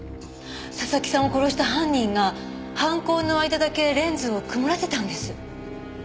佐々木さんを殺した犯人が犯行の間だけレンズを曇らせたんです！